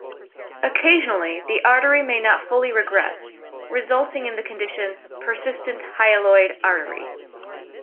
Occasionally the artery may not fully regress, resulting in the condition "persistent hyaloid artery".